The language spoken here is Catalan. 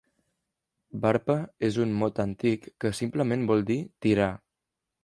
'Varpa' és un mot antic que simplement vol dir 'tirar'.